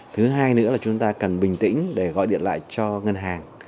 thứ hai nữa là chúng ta cần bình tĩnh để gọi điện lại cho ngân hàng